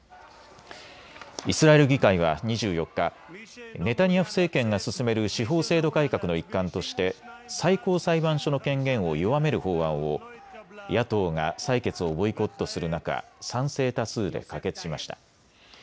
イスラエル議会は２４日、ネタニヤフ政権が進める司法制度改革の一環として最高裁判所の権限を弱める法案を野党が採決をボイコットする中、賛成多数で可決しました。